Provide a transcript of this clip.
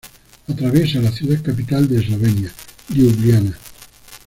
Atraviesa la ciudad capital de Eslovenia, Liubliana.